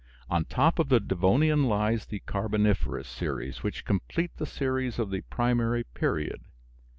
On top of the Devonian lies the "Carboniferous" series, which complete the series of the primary period.